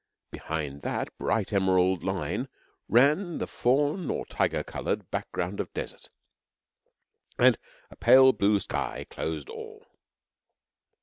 Behind that bright emerald line ran the fawn or tiger coloured background of desert, and a pale blue sky closed all.